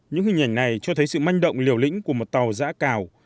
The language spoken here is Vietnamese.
những hình ảnh này cho thấy sự manh động liều lĩnh của một tàu giã cào